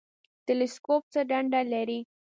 تلسکوپ څه دنده لري؟